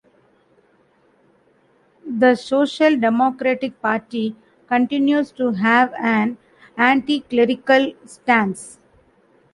The Social Democratic Party continues to have an anticlerical stance.